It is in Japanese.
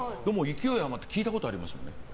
勢い余って聞いたことあります。